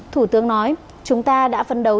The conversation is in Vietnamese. thủ tướng nói chúng ta đã phấn đấu